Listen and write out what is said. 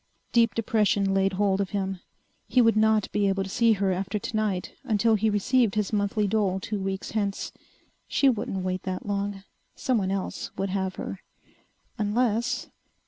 Deep depression laid hold of him. He would not be able to see her after tonight until he received his monthly dole two weeks hence. She wouldn't wait that long. Someone else would have her. Unless